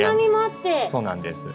そうなんです。